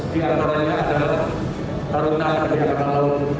satu ratus dua belas di antaranya ada tarunan tiga tahun